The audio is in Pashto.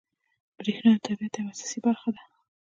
بریښنا د طبیعت یوه اساسي برخه ده